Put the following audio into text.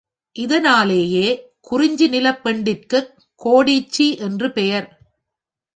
இதனாலேயே, குறிஞ்சி நிலப் பெண்டிற்குக் கொடிச்சி என்று பெயர்.